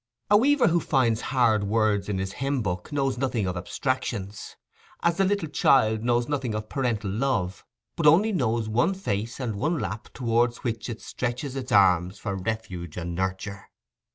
A weaver who finds hard words in his hymn book knows nothing of abstractions; as the little child knows nothing of parental love, but only knows one face and one lap towards which it stretches its arms for refuge and nurture.